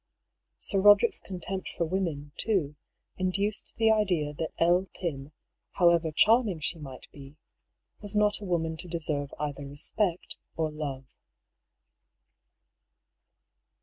Sir Roderick's contempt for women, too, induced the idea that L. Pym, however charming she might be, was not a woman to deserve either respect or love.